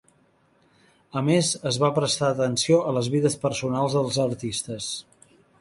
A més, es va prestar atenció a les vides personals dels artistes.